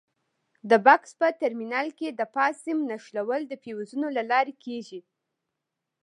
د بکس په ترمینل کې د فاز سیم نښلول د فیوزونو له لارې کېږي.